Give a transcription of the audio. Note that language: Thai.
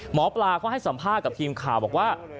หมอปลาเขาให้สัมภาษณ์กับทีมข่าวบอกว่า